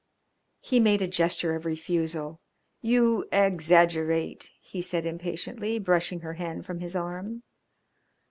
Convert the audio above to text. He made a gesture of refusal. "You exaggerate," he said impatiently, brushing her hand from his arm.